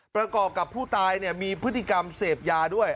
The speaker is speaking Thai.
ประกอบกับผู้ตายมีพฤติกรรมเสพยาด้วย